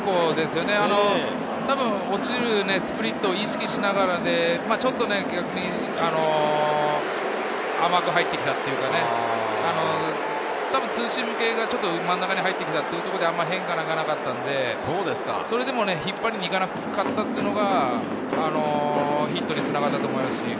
たぶん落ちるスプリットを意識しながらで、逆に甘く入ってきたというか、ツーシーム系がちょっと真ん中に入ってきたというところで、あまり変化がなかったので、引っ張りにいかなかったというのがヒットに繋がったと思います。